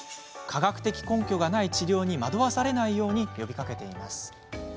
科学的根拠がない治療に惑わされないように呼びかけています。